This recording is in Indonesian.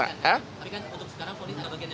tapi kan untuk sekarang polis ada bagian yang meringankan